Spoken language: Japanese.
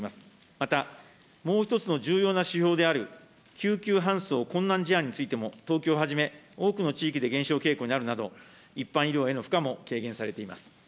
また、もう一つの重要な指標である、救急搬送困難事案についても、東京をはじめ、多くの地域で減少傾向にあるなど、一般医療への負荷も軽減されています。